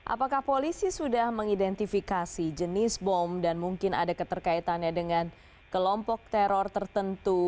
apakah polisi sudah mengidentifikasi jenis bom dan mungkin ada keterkaitannya dengan kelompok teror tertentu